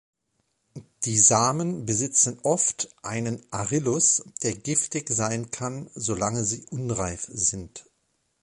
Die Samen besitzen oft einen Arillus, der giftig sein kann, solange sie unreif sind.